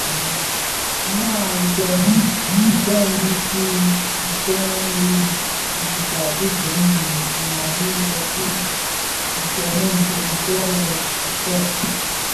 Wuo ibëňi ki bitughe dhi bisai bi dèm bi nwari lè bum ntèd ntolè nted.